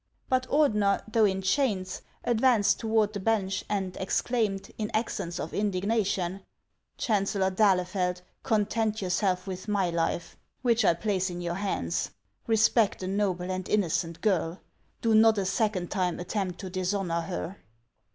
" But Ordener, though in chains, advanced toward the bench, and exclaimed, in accents of indignation :" Chan cellor d'Ahlefeld, content yourself with my life, which I HANS OF ICELAND. 449 place in your hands; respect a noble and innocent girl. Do not a second time attempt to dishonor her."